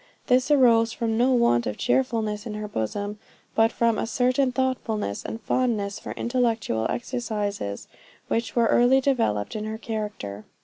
This arose from no want of cheerfulness in her bosom; but from a certain thoughtfulness, and fondness for intellectual exercises which were early developed in her character.